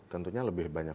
tentunya lebih banyak